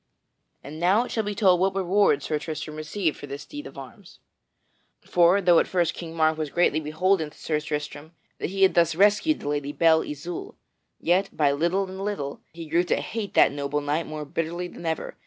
And now it shall be told what reward Sir Tristram received for this deed of arms. For, though at first King Mark was greatly beholden to Sir Tristram, that he had thus rescued the Lady Belle Isoult, yet, by little and little, he grew to hate that noble knight more bitterly than ever.